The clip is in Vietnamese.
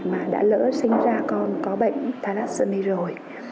mà đã lỡ sinh ra con có bệnh thalassomy rồi